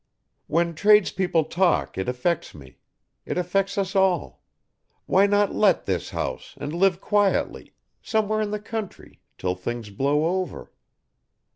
"When tradespeople talk it affects me; it affects us all. Why not let this house and live quietly, somewhere in the country, 'til things blow over?"